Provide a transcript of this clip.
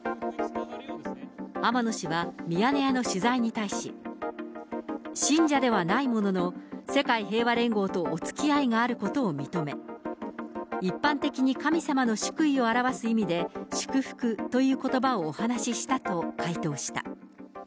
天野氏はミヤネ屋の取材に対し、信者ではないものの、世界平和連合とおつきあいがあることを認め、一般的に神様の祝意を表す意味で祝福ということばをお話ししたと回答した。